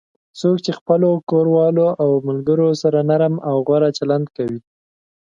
څوک چې خپلو کوروالو او ملگرو سره نرم او غوره چلند کوي